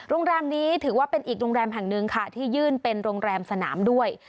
โรงแรมนี้ถือว่าเป็นอีกโรงแรมแห่งหนึ่งค่ะที่ยื่นเป็นโรงแรมสนามด้วย